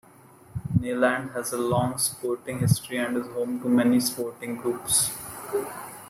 Neyland has a long sporting history and is home to many sporting groups.